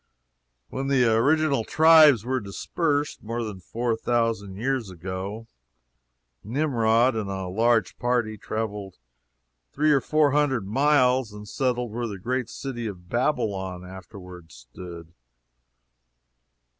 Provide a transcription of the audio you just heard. When the original tribes were dispersed, more than four thousand years ago, Nimrod and a large party traveled three or four hundred miles, and settled where the great city of Babylon afterwards stood.